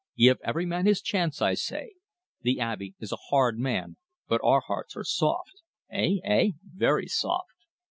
Give every man his chance, I say. The Abbe is a hard man, but our hearts are soft eh, eh, very soft!"